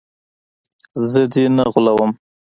زه دې نه غولوم.